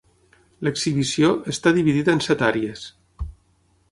L'exhibició està dividida en set àrees.